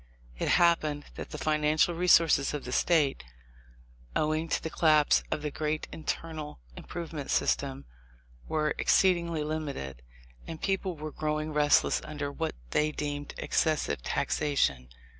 It happened that the financial resources of the State, owing to the collapse of the great inter nal improvement system, were exceedingly limited, and people were growing restless under what they deemed excessive taxation.